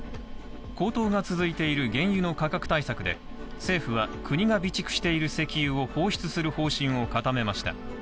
高騰が続いている原油の価格対策で、政府は国が備蓄している石油を放出する方針を固めました。